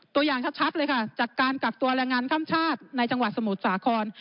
ตัวอย่างชัดเลยค่ะจากการกักตัวแรงงานข้ามชาติในจังหวัดสมุทรสาคร